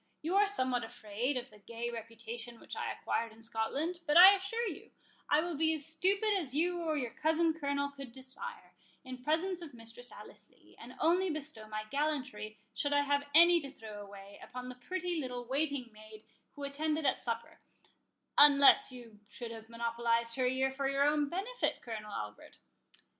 You are somewhat afraid of the gay reputation which I acquired in Scotland; but I assure you, I will be as stupid as you or your cousin Colonel could desire, in presence of Mistress Alice Lee, and only bestow my gallantry, should I have any to throw away, upon the pretty little waiting maid who attended at supper—unless you should have monopolized her ear for your own benefit, Colonel Albert?"